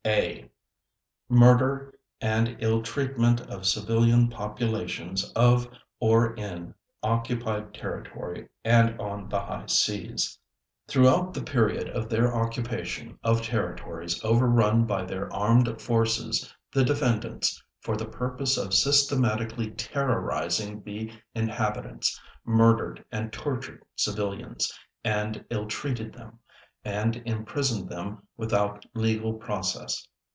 (A) MURDER AND ILL TREATMENT OF CIVILIAN POPULATIONS OF OR IN OCCUPIED TERRITORY AND ON THE HIGH SEAS Throughout the period of their occupation of territories overrun by their armed forces the defendants, for the purpose of systematically terrorizing the inhabitants, murdered and tortured civilians, and ill treated them, and imprisoned them without legal process.